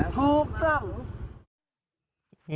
ถูกต้อง